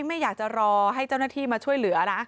ไม่อยากจะรอให้เจ้าหน้าที่มาช่วยเหลือนะ